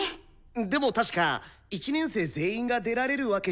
でも確か１年生全員が出られるわけじゃないですよね？